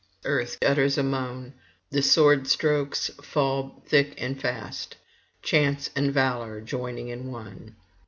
Earth utters a moan; the sword strokes fall thick and fast, chance and valour joining in one.